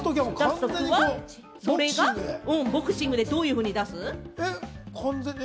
それがボクシングでどういうふうに出す？